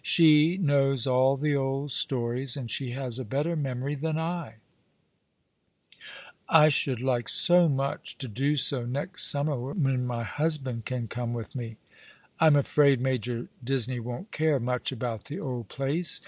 " She knows all the old stories, and she has a better memory than I." " I should like so much to do so next summer, when my husband can come with me." " I'm afraid Major Disney won't care much about the old place.